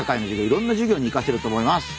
いろんな授業に生かせると思います。